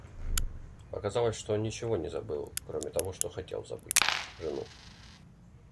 Оказалось, что он ничего не забыл, кроме того, что хотел забыть,— жену.